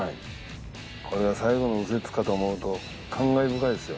これが最後の右折かと思うと感慨深いですよ。